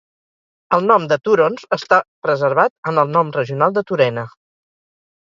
El nom de túrons està preservat en el nom regional de Turena.